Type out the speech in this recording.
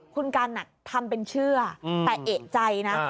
คุณกันทำเป็นเชื่อแต่เอกใจนะ